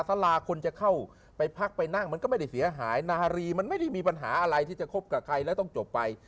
สาราคนจะเข้าไปพักไปนั่งมันก็ไม่ได้เสียหายนารีมันไม่ได้มีปัญหาอะไรที่จะคบกับใครแล้วต้องจบไป